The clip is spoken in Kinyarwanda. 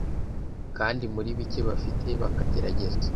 kandi muri bike bafite bakagerageza